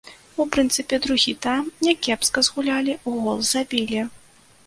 У прынцыпе, другі тайм някепска згулялі, гол забілі.